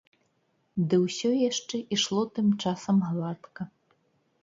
Ды ўсё яшчэ ішло тым часам гладка.